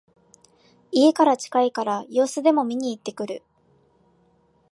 家から近いから様子でも見にいってくる